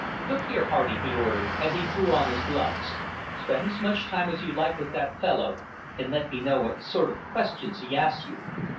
"Look here, Hardy," he ordered, as he drew on his gloves, "spend as much time as you like with that fellow and let me know what sort of questions he asks you.